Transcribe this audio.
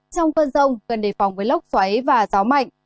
trong cơn rông cần đề phòng với lốc xoáy và gió mạnh